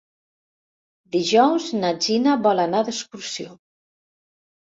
Dijous na Gina vol anar d'excursió.